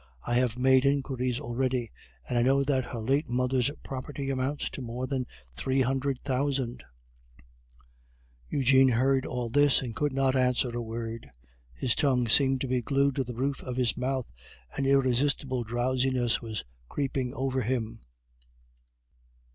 I have made inquiries already, and I know that her late mother's property amounts to more than three hundred thousand " Eugene heard all this, and could not answer a word; his tongue seemed to be glued to the roof of his mouth, an irresistible drowsiness was creeping over him.